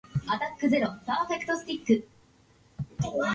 ドラえもんは実在でどこかに友達がいる